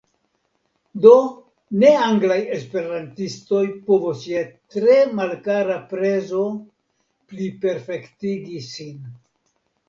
Do, ne-anglaj esperantistoj povos je tre malkara prezo pliperfektigi sin.